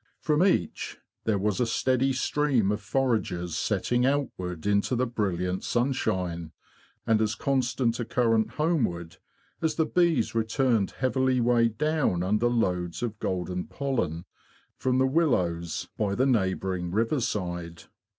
From each there was a steady stream of foragers setting outward into the brilliant 128 THE BEE MASTER OF WARRILOW sunshine, and as constant a current homeward, as the bees returned heavily weighed down under loads of golden pollen from the willows by the neigh bouring riverside.